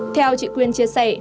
theo chị quyên chia sẻ